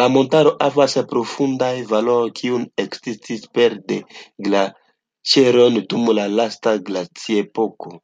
La montaro havas profundajn valojn, kiuj ekestis pere de glaĉeroj dum la lasta glaciepoko.